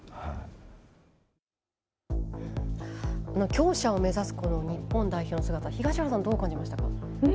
強者を目指す日本代表の姿東原さんは、どう感じましたか？